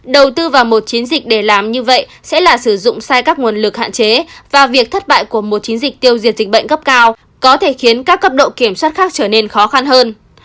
đầu tư vào một chiến dịch để làm như vậy sẽ là sử dụng sai các nguồn lực hạn chế và việc thất bại của một chiến dịch tiêu diệt dịch bệnh gấp cao có thể khiến các cấp độ kiểm soát khác trở nên khó khăn hơn